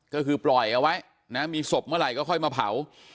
ก็คือปล่อยเอาไว้นะมีศพเมื่อไหร่ก็ค่อยมาเผา